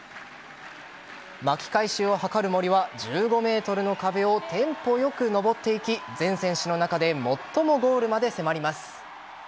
巻き返しを図る森は１５ｍの壁をテンポよく登っていき全選手の中で最もゴールまで迫ります。